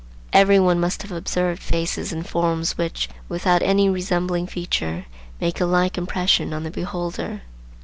Every one must have observed faces and forms which, without any resembling feature, make a like impression on the beholder.